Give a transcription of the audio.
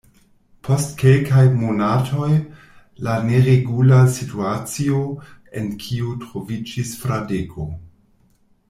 Post kelkaj monatoj, la neregula situacio, en kiu troviĝis Fradeko.